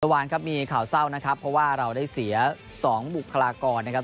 วันครับมีข่าวเศร้านะครับเพราะว่าเราได้เสีย๒บุคลากรนะครับ